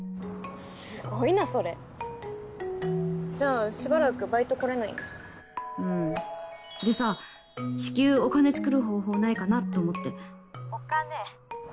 すごいなそれじゃあしばらくバイトこれないんだうんでさ至急お金作る方法ないかなと思ってお金？